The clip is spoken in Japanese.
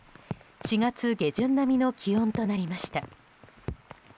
４月下旬並みの気温となりました。